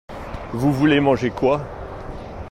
Vous voulez manger quoi?